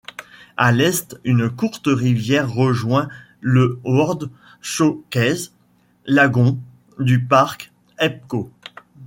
À l'est une courte rivière rejoint le World Showcase Lagoon du parc Epcot.